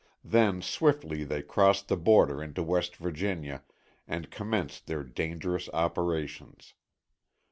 Then swiftly they crossed the border into West Virginia and commenced their dangerous operations.